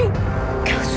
tidak pak lestri